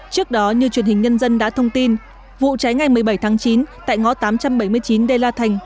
trước đó như truyền hình nhân dân đã thông tin vụ cháy ngày một mươi bảy tháng chín tại ngõ tám trăm bảy mươi chín đê la thành